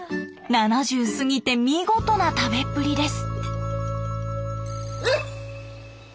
７０過ぎて見事な食べっぷりです。